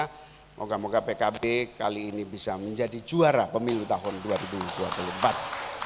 semoga moga pkb kali ini bisa menjadi juara pemilu tahun dua ribu dua puluh empat